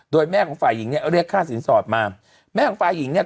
โดยแม่ของฝ่ายหญิงเนี่ยเรียกค่าสินสอดมาแม่ของฝ่ายหญิงเนี่ย